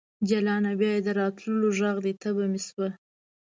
جلانه ! بیا یې د راتللو غږ دی تبه مې شوه